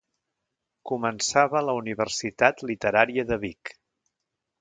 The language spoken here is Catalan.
Començava la Universitat Literària de Vic.